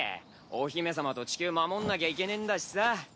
お姫様と地球守んなきゃいけねぇんだしさ。